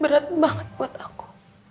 berat banget buat aku